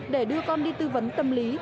để đưa con đi tư vấn tâm lý